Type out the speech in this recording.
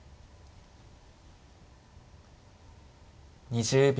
２０秒。